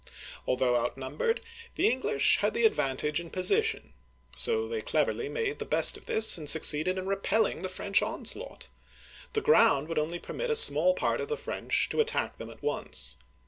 Although outnumbered, the English had the advantage in position ; so they cleverly made the best of this, and succeeded in repelling the French onslaught. The ground would permit only a small part of the French to attack them at once.